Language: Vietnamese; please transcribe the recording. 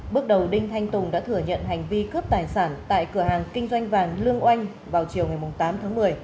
bước đầu đinh thanh tùng đã thừa nhận hành vi cướp tài sản tại cửa hàng kinh doanh vàng lương oanh vào chiều ngày tám tháng một mươi